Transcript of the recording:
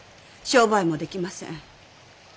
商売も出来ません。